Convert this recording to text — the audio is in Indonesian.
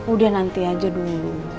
udah nanti aja dulu